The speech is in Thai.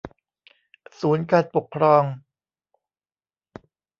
ศูนย์การปกครอง